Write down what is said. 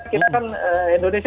kita kan indonesia